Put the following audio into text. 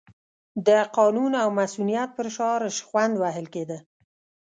د قانون او مصونیت پر شعار شخوند وهل کېده.